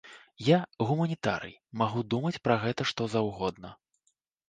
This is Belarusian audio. Я, гуманітарый, магу думаць пра гэта што заўгодна.